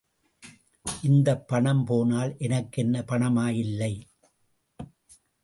இந்தப் பணம் போனால் எனக்கென்ன பணமா இல்லை.